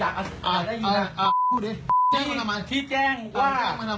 การช่วงไปเจ้าตัวไม่ได้